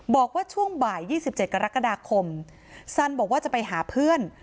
บอกว่าช่วงบ่าย๒๗กรกฎาคมซันบอกว่าจะไปหาเพื่อน